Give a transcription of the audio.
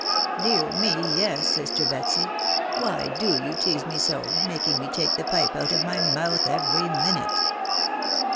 "Dear me, yes* sitter Betsy. .... Why do yow tease me so, making me take the pipe out of ray mouth every minute?"